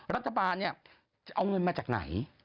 รัฐบาลจะเอาเงินมาจากไหน